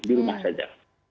di rumah saja